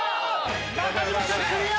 中島君クリア！